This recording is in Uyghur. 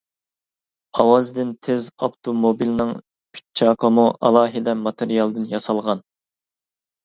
ئاۋازدىن تېز ئاپتوموبىلنىڭ ئۈچ چاقىمۇ ئالاھىدە ماتېرىيالدىن ياسالغان.